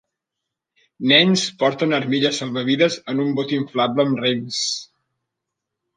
Nens porten armilles salvavides en un bot inflable amb rems.